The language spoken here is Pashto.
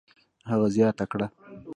هغه زیاته کړه: